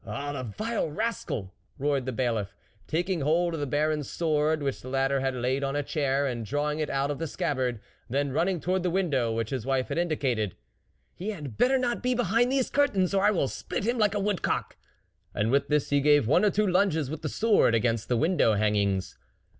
" Oh ! the vile rascal ! roared the Bailiff, taking hold of the Baron's sword which the latter had laid on a chair, and drawing it out of the scabbard, then, running to ward the window which his wife had indicated, " He t had better not be behind these curtains, or I will spit him like a woodcock," and with this he gave one or two lunges with the sword against the window hangings.